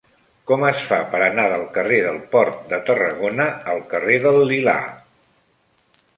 Com es fa per anar del carrer del Port de Tarragona al carrer del Lilà?